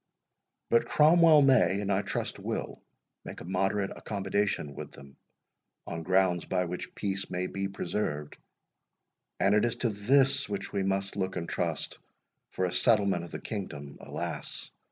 But Cromwell may, and I trust will, make a moderate accommodation with them, on grounds by which peace may be preserved; and it is to this which we must look and trust for a settlement of the kingdom, alas!